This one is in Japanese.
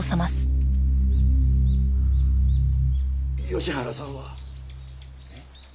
吉原さんは？えっ？